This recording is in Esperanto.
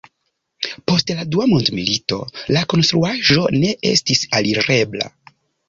Post la Dua mondmilito la konstruaĵo ne estis alirebla.